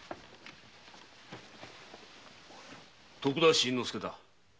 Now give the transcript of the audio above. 徳田新之助だ。